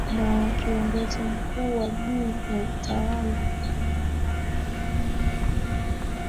na wa kiongozi mkuu wa juu wa utawala